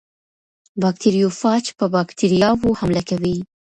باکتریوفاج په باکتریاوو حمله کوي.